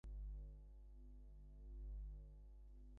যদি আমরা ওর বাঁধন খুলে দিই, সে আমাদেরকে থামানোর চেষ্টা করবে।